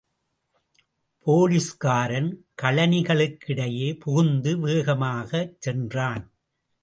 போலீஸ்காரன் கழனிகளுக்கிடையே புகுந்து வேகமாகச் சென்றான்.